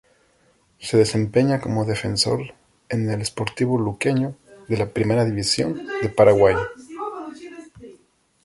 Se desempeña como defensor en el Sportivo Luqueño de la Primera División de Paraguay.